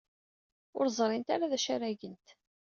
Ur ẓrint ara d acu ara gent.